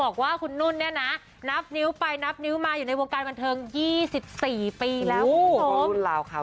คุณนุ่นนับนิ้วไปนับนิ้วมาอยู่ในวงการก่อนเทิง๒๔ปีแล้วครับผม